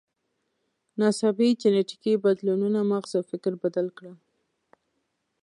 ناڅاپي جینټیکي بدلونونو مغز او فکر بدل کړل.